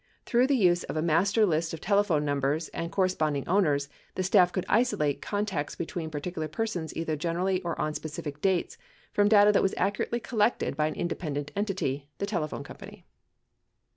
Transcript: Through the use of a master list of telephone numbers and corresponding owners, the staff could isolate contacts between particular persons either generally or on specific dates from data that was accurately collected by an independent entity, the telephone company.